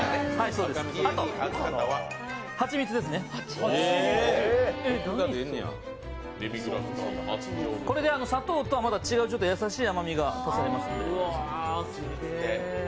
あとは蜂蜜ですね、これで砂糖とはまた違う優しい甘みが足されます。